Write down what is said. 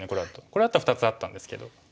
これだったら２つあったんですけど。